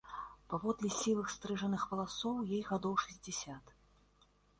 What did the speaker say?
Паводле сівых стрыжаных валасоў ёй гадоў шэсцьдзесят.